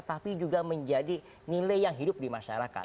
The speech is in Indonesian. tapi juga menjadi nilai yang hidup di masyarakat